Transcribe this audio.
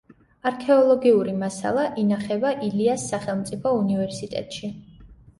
არქეოლოგიური მასალა ინახება ილიას სახელმწიფო უნივერსიტეტში.